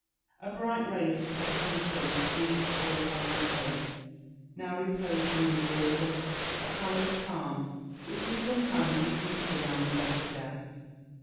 A bright ray of the setting sun streamed full upon that face, now reposing in the awful but hallowed calm which is sometimes diffused around the bed of death.